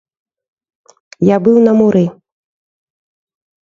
Я быў на муры!